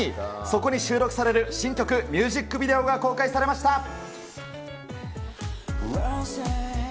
そこに収録される新曲ミュージックビデオが公開されました。